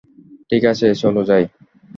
ঠিক আছে, চলো যাই।